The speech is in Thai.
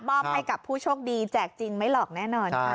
ให้กับผู้โชคดีแจกจริงไม่หลอกแน่นอนค่ะ